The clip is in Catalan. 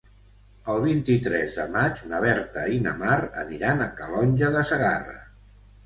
El vint-i-tres de maig na Berta i na Mar aniran a Calonge de Segarra.